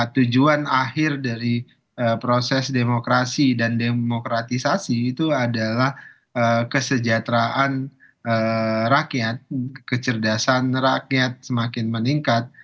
tujuan akhir dari proses demokrasi dan demokratisasi itu adalah kesejahteraan rakyat kecerdasan rakyat semakin meningkat